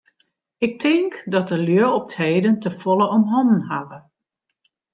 Ik tink dat de lju op 't heden te folle om hannen hawwe.